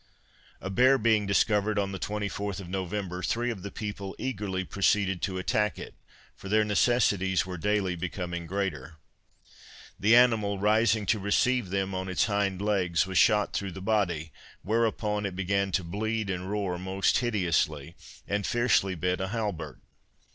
A bear being discovered on the 24th of November, three of the people eagerly proceeded to attack it, for their necessities were daily becoming greater. The animal, rising to receive them on its hind legs, was shot through the body, whereupon it began to bleed and roar most hideously, and fiercely bit a halbert.